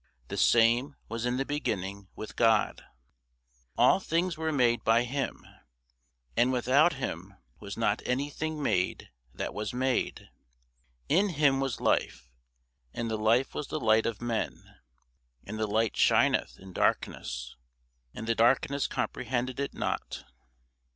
The same was in the beginning with God. All things were made by him; and without him was not any thing made that was made. In him was life; and the life was the light of men. And the light shineth in darkness; and the darkness comprehended it not.